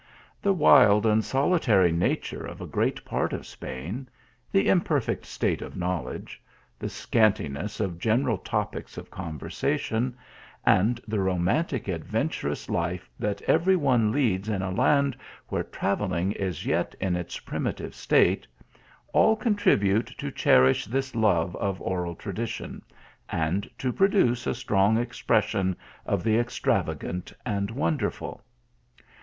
The wild and solitary nature of a great pan of Spain ; the imperfect state of knowledge ; the scanuness of general topics of con versation, and the romantic, adventurous life that every one leads in a land where travelling is yet in its prim itive state, all contribute to cherish this love of oral narration, and to produce a strong expression of the extravagant and wonderful.